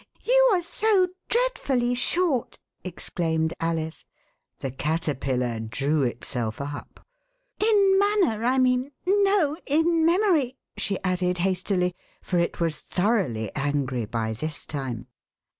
You are so dreadfully short," exclaimed Alice; the Caterpillar drew itself up. In manner, I mean ; no — in memory," she added hastily, for it was thoroughly angry by this time.